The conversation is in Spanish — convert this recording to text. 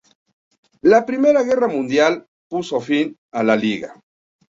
La primera guerra mundial puso fin a la liga.